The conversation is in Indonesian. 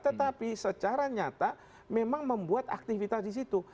tetapi secara nyata memang membuat aktivitas di situ